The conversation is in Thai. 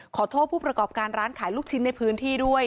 ขอโทษผู้ประกอบการร้านขายลูกชิ้นในพื้นที่ด้วย